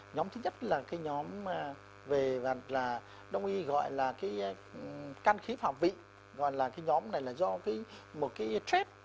nhóm thứ nhất là cái nhóm về đồng ý gọi là căn khí phạm vị gọi là cái nhóm này là do một cái trait